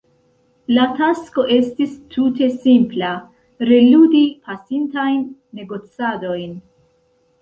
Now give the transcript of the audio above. La tasko estis tute simpla: reludi pasintajn negocadojn.